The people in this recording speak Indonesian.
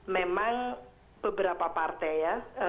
memang beberapa partai ya